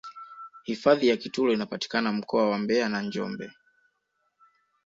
hifadhi ya kitulo inapatikana mkoa wa mbeya na njombe